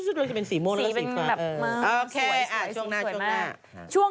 ปล่อยให้เบลล่าว่าง